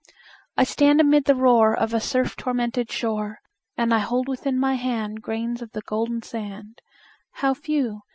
I stand amid the roar Of a surf tormented shore, And I hold within my hand Grains of the golden sand How few!